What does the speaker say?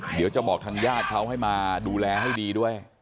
เดี๋ยวจะบอกทางญาติเขาให้มาดูแลให้ดีด้วย